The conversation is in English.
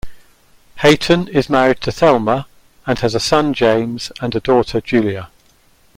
Hayton is married to Thelma, and has a son, James, and a daughter, Julia.